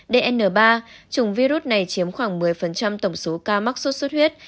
dn ba chủng virus này chiếm khoảng một mươi tổng số ca mắc suốt suốt huyết